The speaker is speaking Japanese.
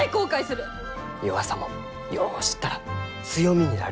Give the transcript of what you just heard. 弱さもよう知ったら強みになる。